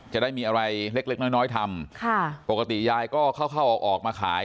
จะได้มีอะไรเล็กเล็กน้อยน้อยทำค่ะปกติยายก็เข้าเข้าออกออกมาขาย